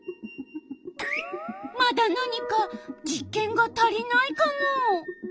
まだなにか実験が足りないカモ。